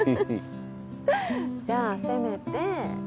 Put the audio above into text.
じゃあせめて